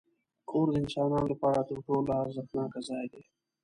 کور د انسان لپاره تر ټولو ارزښتناک ځای دی.